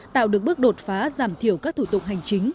tạo được bước đột phá giảm thiểu các thủ tục hành chính